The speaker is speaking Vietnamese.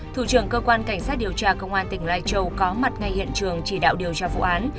thủ trưởng cơ quan cảnh sát điều tra công an tỉnh lai châu có mặt ngay hiện trường chỉ đạo điều tra vụ án